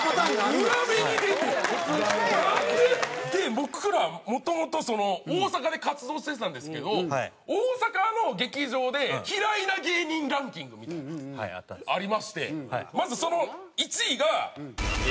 僕らもともと大阪で活動してたんですけど大阪の劇場で嫌いな芸人ランキングみたいなありましてまずその１位が。